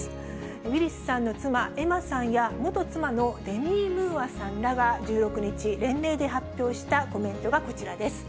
ウィリスさんの妻、エマさんや、元妻のデミ・ムーアさんらが１６日、連名で発表したコメントがこちらです。